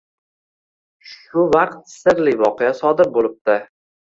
Shu vaqt sirli voqea sodir bo‘libdi